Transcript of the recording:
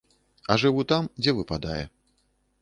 А жыву там, дзе выпадае.